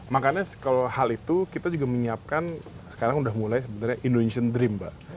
makanya kalau hal itu kita juga menyiapkan sekarang sudah mulai sebenarnya indonesian dream mbak